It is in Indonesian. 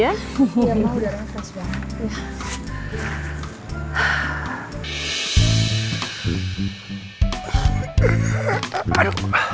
iya mah udaranya fresh banget